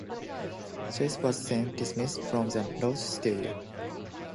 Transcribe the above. Chase was then dismissed from the Roach studio.